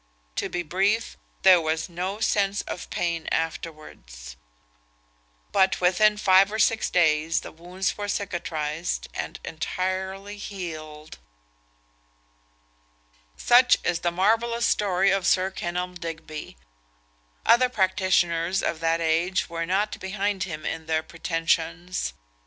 To be brief, there was no cense of pain afterwards; but within five or six days the wounds were sicatrised and entirely healed." Such is the marvellous story of Sir Kenelm Digby. Other practitioners of that age were not behind him in their pretensions.